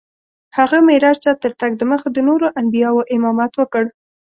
هغه معراج ته تر تګ دمخه د نورو انبیاوو امامت وکړ.